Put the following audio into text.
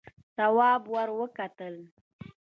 تواب ور وکتل.